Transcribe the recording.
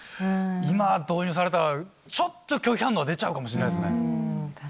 今導入されたらちょっと拒否反応が出ちゃうかもしれないですね。